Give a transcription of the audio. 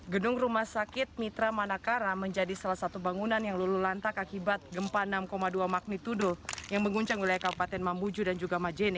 gedung rumah sakit mitra manakara menjadi salah satu bangunan yang lulu lantak akibat gempa enam dua magnitudo yang menguncang wilayah kabupaten mamuju dan juga majene